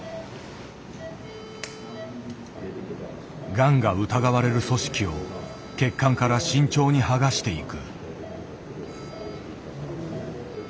がんが疑われる組織を血管から慎重に剥がしていく。